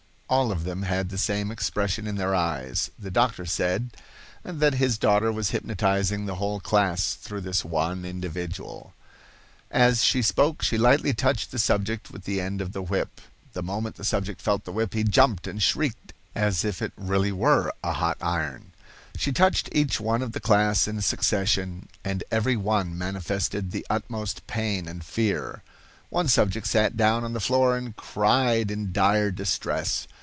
All of them had the same expression in their eyes. The doctor said that his daughter was hypnotizing the whole class through this one individual. As she spoke she lightly touched the subject with the end of the whip. The moment the subject felt the whip he jumped and shrieked as if it really were a hot iron. She touched each one of the class in succession, and every one manifested the utmost pain and fear. One subject sat down on the floor and cried in dire distress.